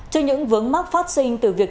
trước những vướng mắc phát sinh từ việc